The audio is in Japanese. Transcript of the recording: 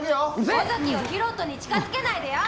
尾崎を大翔に近づけないでよ！